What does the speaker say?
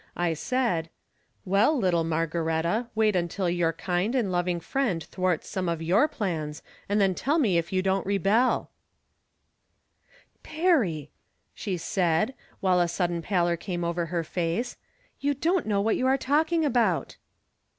I said :" Well, little Margaretta, wait until your kind and loving Friend thwarts some of your plans, then tell me if you don't rebel." I'rom Different Standpoints. 51 " Perry," slie said, while a sudden pallor came oyer lier face, " you don't know what you are talking about."